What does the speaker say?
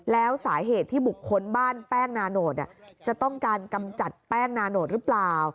แล้วสาเหตุที่บุคคลบ้านแป้งนาโนตจะต้องการกำจัดแป้งนาโนตหรือเปล่า